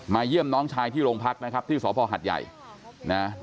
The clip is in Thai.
เยี่ยมน้องชายที่โรงพักนะครับที่สพหัดใหญ่นะ